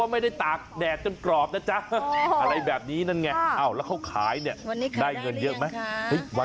ไม่ได้ตากแดดจนกรอบอะไรแบบนี้นั่นขายได้เงินเยอะไหม